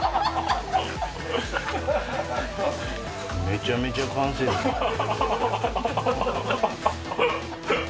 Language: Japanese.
めちゃめちゃ完成度高い。